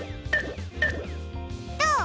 どう？